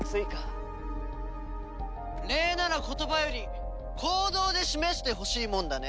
礼なら言葉より行動で示してほしいもんだね。